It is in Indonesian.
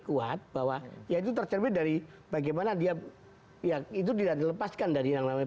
kuat bahwa yaitu tercermin dari bagaimana dia yang itu tidak dilepaskan dari yang namanya